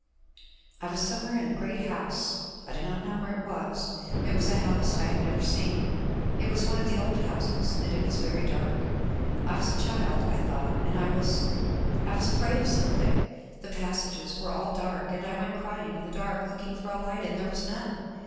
"I was somewhere in a great house; I do not know where it was. It was a house I have never seen. It was one of the old houses, and it was very dark. I was a child, I thought, and I was ... I was afraid of something. The passages were all dark, and I went crying in the dark, looking for a light, and there was none.